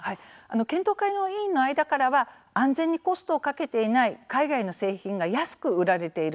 検討会の委員の間からは安全にコストをかけていない海外の製品が安く売られている。